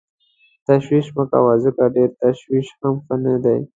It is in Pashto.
تشویش مه کوه ځکه ډېر تشویش هم ښه نه دی.